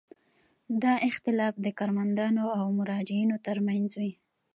دا اختلاف د کارمندانو او مراجعینو ترمنځ وي.